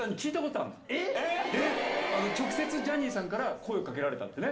直接ジャニーさんから声を掛けられたってね。